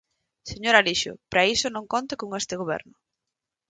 Señor Alixo, para iso non conte con este goberno.